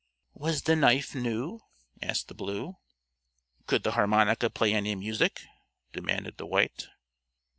"Was the knife new?" asked the Blue. "Could the harmonica play any music?" demanded the White.